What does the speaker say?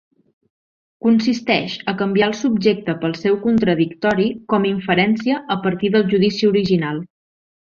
Consisteix a canviar el subjecte pel seu contradictori com inferència a partir del judici original.